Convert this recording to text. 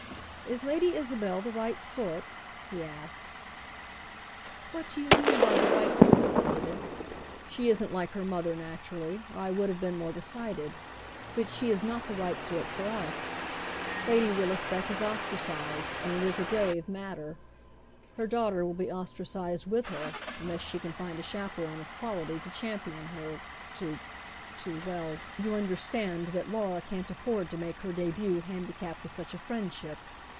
" Is Lady Isabel the right sort ?" he asked. " What do you mean by ' the right sort,' David ? She isn't like her mother, naturally, or I would have been more decided ; but she is not the right sort for us. Lady Willis beck is ostracized, and it is a grave matter. Her daughter will be ostracized with her, unless she can find a chaperone of quality to champion her — to — to — well, you under stand that Laura can't afford to make her debut handi capped with such a friendship.